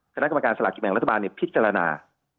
คณะกรรมการสลากกินแบ่งรัฐบาลพิจารณา